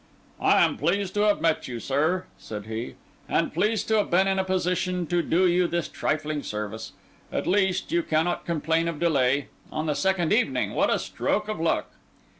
"I am pleased to have met you, sir," said he, "and pleased to have been in a position to do you this trifling service. At least, you cannot complain of delay. On the second evening—what a stroke of luck!"